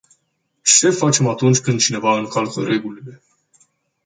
Ce facem când cineva încalcă regulile?